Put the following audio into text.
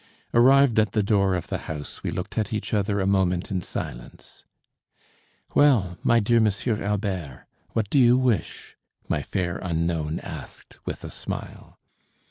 Arrived at the door of the house, we looked at each other a moment in silence. "Well, my dear M. Albert, what do you wish?" my fair unknown asked with a smile.